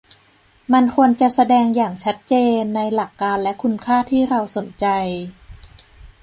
มันควรจะแสดงอย่างชัดเจนในหลักการและคุณค่าที่เราสนใจ